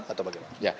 apakah itu bagaimana